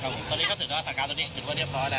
ตอนนี้ก็ถือว่าสถานการณ์ตอนนี้ถือว่าเรียบร้อยแล้ว